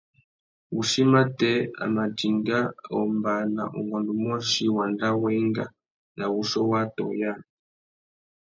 Wuchí matê, a mà dinga a ombāna ungôndômôchï wanda wa enga nà wuchiô wa atõh yâā.